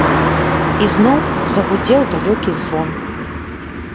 Ізноў загудзеў далёкі звон.